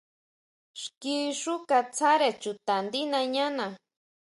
Xki xú katsáre chuta ndí nañana.